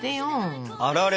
あられ